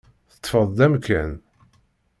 Teṭṭfeḍ-d amkan.